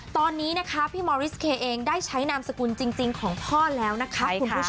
ตอนนี้นะคะพี่มอริสเคเองได้ใช้นามสกุลจริงของพ่อแล้วนะคะคุณผู้ชม